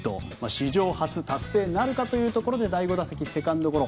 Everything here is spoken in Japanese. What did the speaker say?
史上初達成なるかというところで第５打席セカンドゴロ。